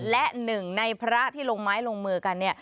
และหนึ่งในพระที่ลงไม้ลงมือกัน